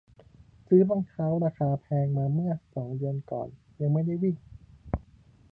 ซื้อรองเท้าราคาแพงมาเมื่อสองเดือนก่อน ยังไม่ได้วิ่ง